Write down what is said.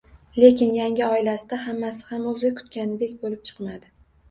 Lekin yangi oilasida hammasi ham o`zi kutganidek bo`lib chiqmadi